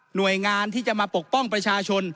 หน่วยงานที่จะมาปกป้องประชาชน